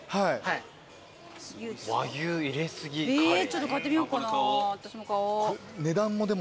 ちょっと買ってみようかな私も買おう。